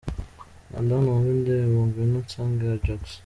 Kanda hano wumve indirimbo Ngwino unsange ya Joxy.